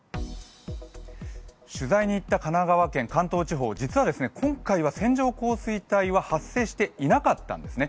取材に行った神奈川県、関東地方、実は今回は線状降水帯は発生していなかったんですね。